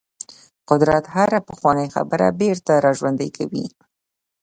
قدرت هره پخوانۍ خبره بیرته راژوندۍ کوي.